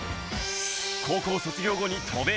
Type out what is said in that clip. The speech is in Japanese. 高校卒業後に渡米。